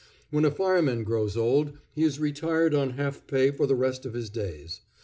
When a fireman grows old, he is retired on half pay for the rest of his days.